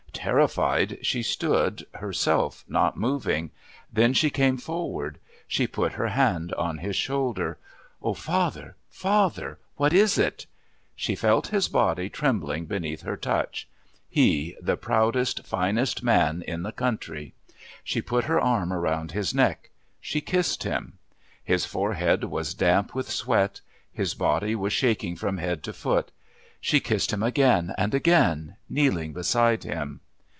Terrified, she stood, herself not moving. Then she came forward. She put her hand on his shoulder. "Oh, father father, what is it?" She felt his body trembling beneath her touch he, the proudest, finest man in the country. She put her arm round his neck. She kissed him. His forehead was damp with sweat. His body was shaking from head to foot. She kissed him again and again, kneeling beside him.